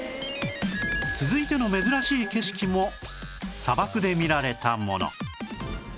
続いての珍しい景色も砂漠で見られたもの